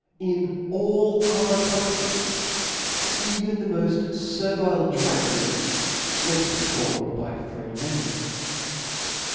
In chap.'j* all other countries even the moft fervile drudgeries may be performed by freemen.